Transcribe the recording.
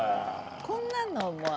こんなのは。